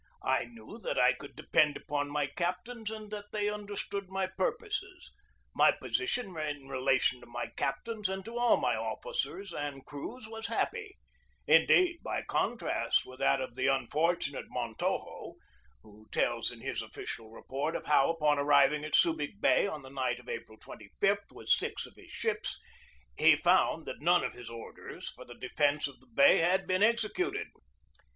I knew that I could depend upon my captains and that they understood my pur poses. My position in relation to my captains and to all my officers and crews was happy, indeed, by contrast with that of the unfortunate Montojo, who tells in his official report of how, upon arriving at Subig Bay on the night of April 25 with six of his ships, he found that none of his orders for the de fence of the bay had been executed.